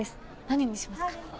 何にしますか？